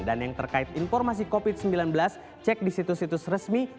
dan yang terkait informasi covid sembilan belas cek di situs situs resmi